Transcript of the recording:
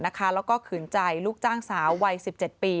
แล้วก็ขืนใจลูกจ้างสาววัย๑๗ปี